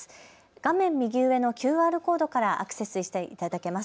画面右上のＱＲコードからアクセスしていただけます。